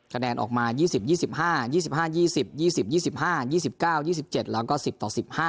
คะแนนออกมา๒๐๒๕๒๕๒๐๒๐๒๕๒๙๒๗แล้วก็๑๐ต่อ๑๕